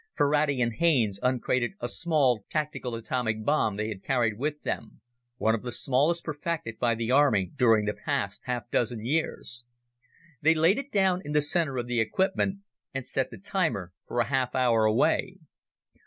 Ferrati and Haines uncrated a small, tactical atomic bomb they had carried with them one of the smallest perfected by the Army during the past half dozen years. They laid it down in the center of the equipment and set the timer for a half hour away.